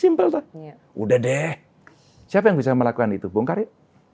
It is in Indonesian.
simpel tuh udah deh siapa yang bisa melakukan itu bung karyo